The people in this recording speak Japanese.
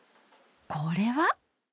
これは。